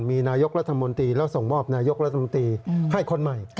มีนายกรัฐมนตรีแล้วส่งมอบนายกรัฐมนตรีให้คนใหม่